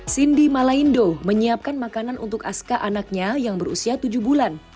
cindy malindo menyiapkan makanan untuk aska anaknya yang berusia tujuh bulan